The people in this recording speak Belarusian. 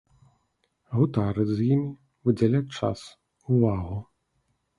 Гутарыць з імі, выдзяляць час, увагу.